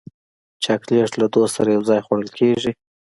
چاکلېټ له دوست سره یو ځای خوړل کېږي.